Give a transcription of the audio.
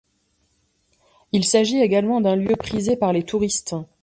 Il s'agit également d'un lieu prisé par les touristes.